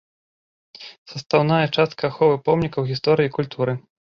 Састаўная частка аховы помнікаў гісторыі і культуры.